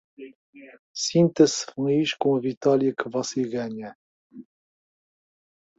Sinta-se feliz com a vitória que você ganha.